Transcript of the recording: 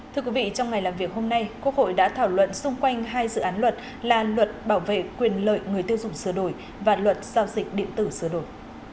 thưa quý vị trong ngày làm việc hôm nay quốc hội đã thảo luận xung quanh hai dự án luật là luật bảo vệ quyền lợi người tiêu dùng sửa đổi và luật giao dịch điện tử sửa đổi